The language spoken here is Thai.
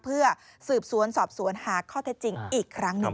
เพื่อสืบสวนสอบสวนหาข้อเท็จจริงอีกครั้งหนึ่ง